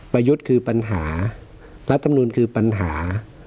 ยุทธ์คือปัญหารัฐมนุนคือปัญหา